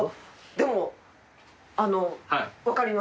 でも分かります。